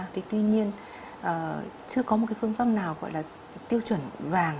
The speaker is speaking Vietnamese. tuy nhiên chưa có phương pháp nào gọi là tiêu chuẩn vàng